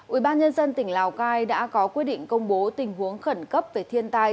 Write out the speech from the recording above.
ủy ban nhân dân tỉnh lào cai đã có quyết định công bố tình huống khẩn cấp về thiên tai